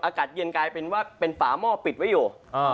อากาศเย็นกลายเป็นว่าเป็นฝาหม้อปิดไว้อยู่